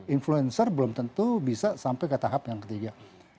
influencer belum tentu bisa sampai ke tahap yang ketiga